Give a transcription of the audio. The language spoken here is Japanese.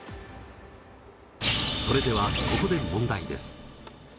それではここで問題です。